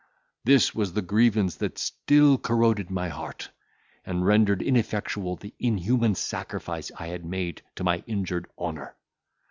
"This was the grievance that still corroded my heart, and rendered ineffectual the inhuman sacrifice I had made to my injured honour.